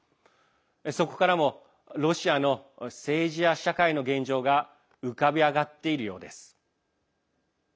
そこからもロシアの政治や社会の現状が浮かび上がっているようです。